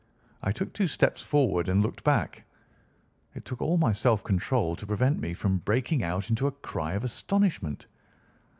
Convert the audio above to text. I took two steps forward and looked back. It took all my self control to prevent me from breaking out into a cry of astonishment.